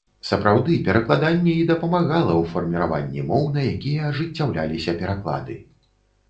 Сапраўды, перакладанне і дапамагала ў фарміраванні моў, на якія ажыццяўляліся пераклады.